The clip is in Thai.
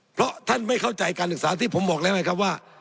เพราะท่านไม่เข้าใจการศึกษาที่ผมบอกแล้วไงครับว่า